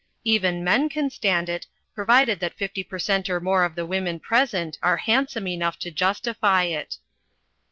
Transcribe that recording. Even men can stand it provided that fifty per cent or more of the women present are handsome enough to justify it.